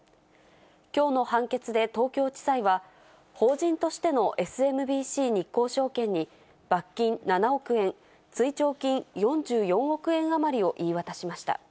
きょうの判決で東京地裁は、法人としてのＳＭＢＣ日興証券に、罰金７億円、追徴金４４億円余りを言い渡しました。